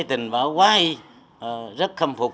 tình báo rất khâm phục